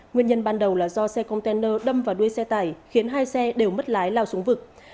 nguyên nhân ban đầu là do xe container đâm vào đuôi xe tải khiến hai xe đều mất lái lao xuống vực